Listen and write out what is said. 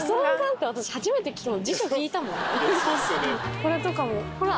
これとかもほら。